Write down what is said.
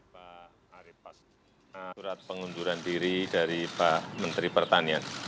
plt nya pak arief prasetyo surat pengunduran diri dari pak menteri pertanian